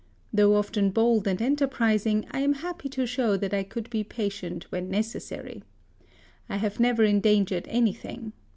Though often bold and enterprising, I am happy to show that I could be patient when necessary. I have never endangered anything.